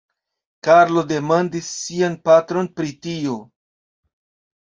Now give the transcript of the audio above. Karlo demandis sian patron pri tio.